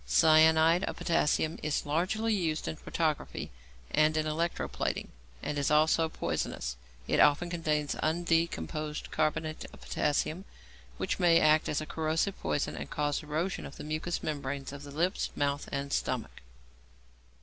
=Cyanide of Potassium= is largely used in photography and in electro plating, and is also poisonous. It often contains undecomposed carbonate of potassium, which may act as a corrosive poison and cause erosion of the mucous membranes of the lips, mouth, and stomach.